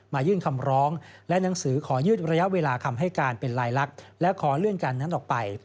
ยื่นคำร้องและหนังสือขอยืดระยะเวลาคำให้การเป็นลายลักษณ์และขอเลื่อนการนั้นออกไป